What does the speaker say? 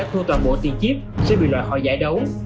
thu toàn bộ tiền chip sẽ bị loại khỏi giải đấu